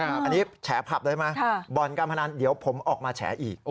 อันนี้แฉผับได้ไหมบ่อนการพนันเดี๋ยวผมออกมาแฉอีก